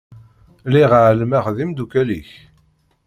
Lliɣ εelmeɣ d imdukal-ik.